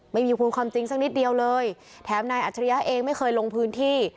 ไม่มีภูมิความจริงสักนิดเดียวเลยแถมนายอัจฉริยะเองไม่เคยลงพื้นที่